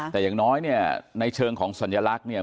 แต่อย่างน้อยเนี่ยในเชิงของสัญลักษณ์เนี่ย